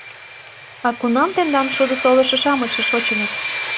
А кунам тендан шудо солышо-шамычше шочыныт?